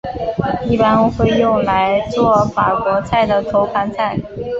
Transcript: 一般会用来作法国菜的头盘菜。